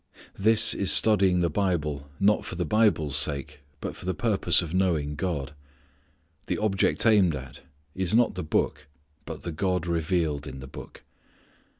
This is studying the Bible not for the Bible's sake but for the purpose of knowing God. The object aimed at is not the Book but the God revealed in the Book.